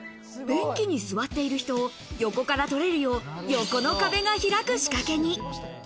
便器に座っている人を横から撮れるよう、横の壁が開く仕掛けに。